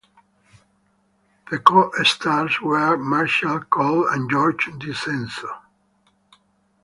The co-stars were Marshall Colt and George DiCenzo.